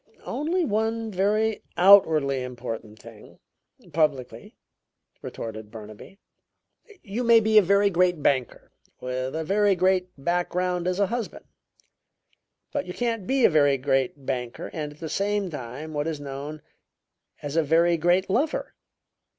"Only one very outwardly important thing publicly," retorted Burnaby. "You may be a very great banker with a very great background as a husband, but you can't be a very great banker and at the same time what is known as a 'very great lover.'